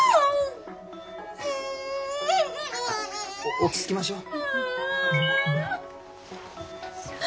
落ち着きましょう。